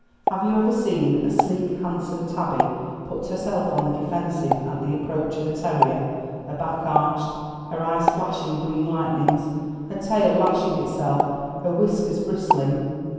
Have you ever seen a sleek handsome tabby put herself on the defensive at the approach of a terrier, her back arched, her eyes flashing green lightnings, her tail lashing itself, her whiskers bristling?